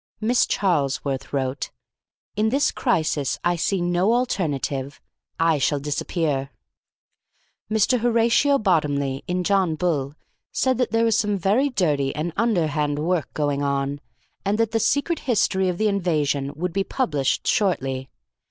Miss Charlesworth wrote: "In this crisis I see no alternative. I shall disappear." Mr. Horatio Bottomley, in John Bull, said that there was some very dirty and underhand work going on, and that the secret history of the invasion would be published shortly.